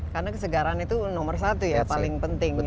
karena kesegaran itu nomor satu ya paling penting ya